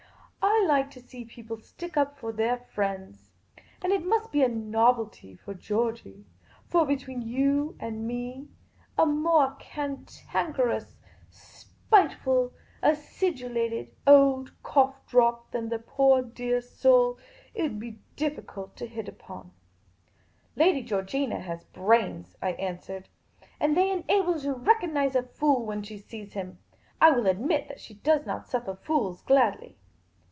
I like to see people stick up for their friends. And it must be a novelty for George3\ For between you and me, a moah cantanker ^^^6r> ckr'^i HE TURNED TO ME Wmt AN INANE SMILE. ous, spiteful, acidulated, old cough drop than the poor deah soul it 'ud be difficult to hit upon." " Lady Georgina has brains," I answered ;" and they enable her to recognise a fool when she sees him. I will admit that she does not suffer fools gladly."